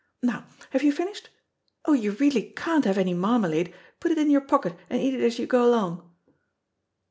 Now, have you finished? Oh, you really can't have any marmalade; put it in your pocket and eat it as you go along."